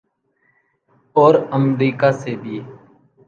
اورامریکہ سے بھی۔